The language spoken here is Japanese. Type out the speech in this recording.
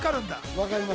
分かります。